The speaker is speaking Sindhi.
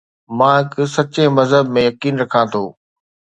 مان هڪ سچي مذهب ۾ يقين رکان ٿو